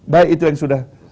baik itu yang sudah